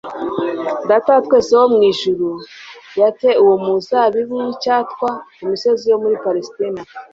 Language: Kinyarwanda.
Data wa twese wo mu ijuru yari yatcye uwo muzabibu w'icyatwa ku misozi yo muri Palesitina